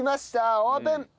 オープン！